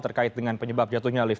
terkait dengan penyebab jatuhnya lift